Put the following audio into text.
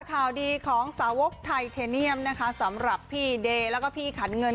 ข่าวดีของสาวกไทเทเนียมนะคะสำหรับพี่เดย์แล้วก็พี่ขันเงิน